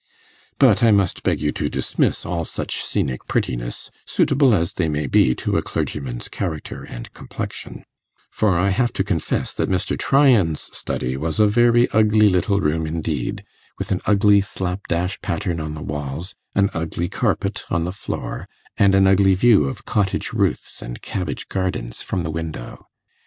But I must beg you to dismiss all such scenic prettiness, suitable as they may be to a clergyman's character and complexion; for I have to confess that Mr. Tryan's study was a very ugly little room indeed, with an ugly slapdash pattern on the walls, an ugly carpet on the floor, and an ugly view of cottage roofs and cabbage gardens from the window.